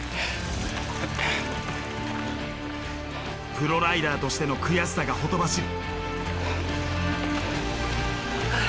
プロライダーとしての悔しさがほとばしる。